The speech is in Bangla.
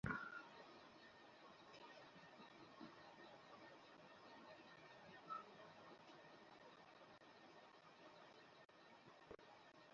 কুরাইশদের সকল পরিকল্পনা ব্যর্থ হওয়ায় তারা পরিখা হতে পিছু হঁটে ক্যাম্পে গিয়ে অবস্থান নিত।